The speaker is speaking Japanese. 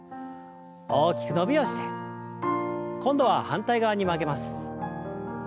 大きく伸びをして今度は反対側に曲げます。